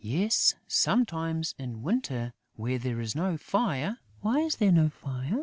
"Yes, sometimes, in winter, when there is no fire." "Why is there no fire?..."